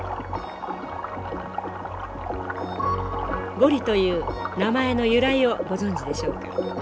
ゴリという名前の由来をご存じでしょうか？